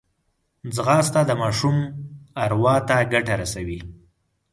ځغاسته د ماشوم اروا ته ګټه رسوي